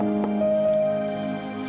biar saya telefonnya